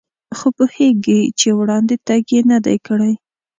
خو پوهېږي چې وړاندې تګ یې نه دی کړی.